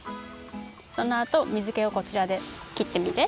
そのあと水けをこちらできってみて。